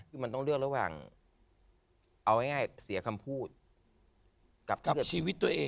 คือมันต้องเลือกระหว่างเอาง่ายเสียคำพูดกับชีวิตตัวเอง